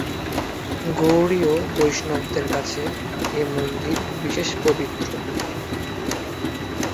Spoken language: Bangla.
গৌড়ীয় বৈষ্ণবদের কাছে এই মন্দির বিশেষ পবিত্র।